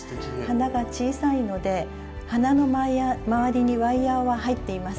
花が小さいので花の周りにワイヤーは入っていません。